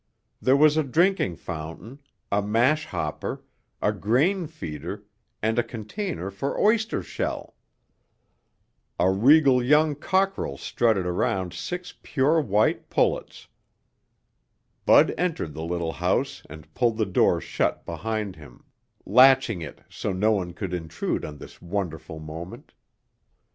There was a drinking fountain, a mash hopper, a grain feeder and a container for oyster shell. A regal young cockerel strutted around six pure white pullets. Bud entered the little house and pulled the door shut behind him, latching it so no one could intrude on this wonderful moment.